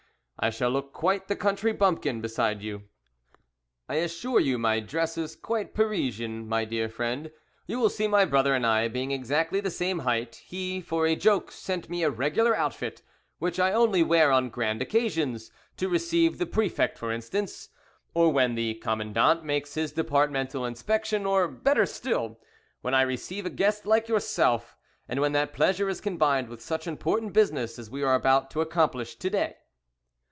I shall look quite the country bumpkin beside you." "I assure you my dress is quite Parisian, my dear friend. You see my brother and I being exactly the same height, he for a joke sent me a regular outfit, which I only wear on grand occasions, to receive the prefect, for instance, or when the commandant makes his departmental inspection; or, better still, when I receive a guest like yourself, and when that pleasure is combined with such important business as we are about to accomplish to day."